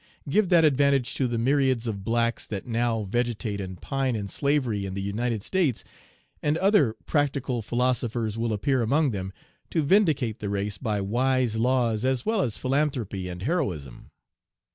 Give that advantage to the myriads of blacks that now vegetate and pine in slavery in the United States, and other practical philosophers will appear among them to vindicate the race by wise laws as well as philanthropy and heroism.